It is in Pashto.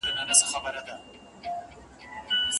که ته املا ولیکې نو ستا لیکنه به سمه سي.